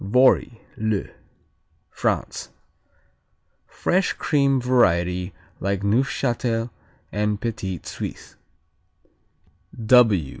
Vory, le France Fresh cream variety like Neufchâtel and Petit Suisse.